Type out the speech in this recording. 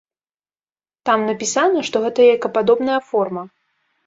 Там напісана, што гэта яйкападобная форма.